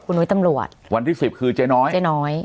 นุ้ยตำรวจวันที่สิบคือเจ๊น้อยเจ๊น้อย